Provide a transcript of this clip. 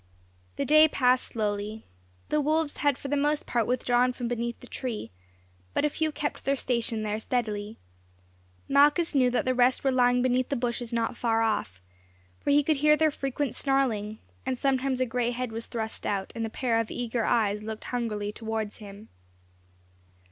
The day passed slowly. The wolves had for the most part withdrawn from beneath the tree, but a few kept their station there steadily. Malchus knew that the rest were lying beneath the bushes not far off, for he could hear their frequent snarling, and sometimes a gray head was thrust out, and a pair of eager eyes looked hungrily towards him.